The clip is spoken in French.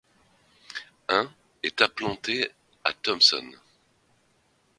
Un est implanté à Thomson.